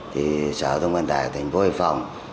thì sở thông vận tải thành phố hải phòng